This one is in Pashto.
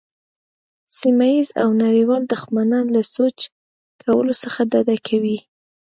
سیمه ییز او نړیوال دښمنان له سوچ کولو څخه ډډه کوي.